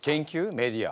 メディア。